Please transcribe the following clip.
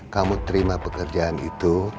kamu terima pekerjaan itu